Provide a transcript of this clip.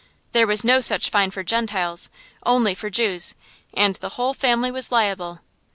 There was no such fine for Gentiles, only for Jews; and the whole family was liable.